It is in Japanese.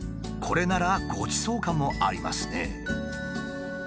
これならごちそう感もありますね。